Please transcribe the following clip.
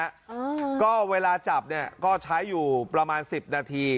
อืมก็เวลาจับเนี้ยก็ใช้อยู่ประมาณสิบนาที